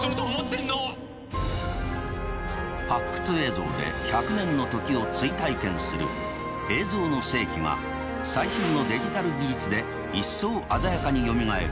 発掘映像で１００年の時を追体験する「映像の世紀」が最新のデジタル技術で一層鮮やかによみがえる